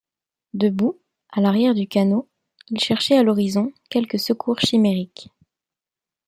Debout, à l’arrière du canot, il cherchait à l’horizon quelque secours chimérique.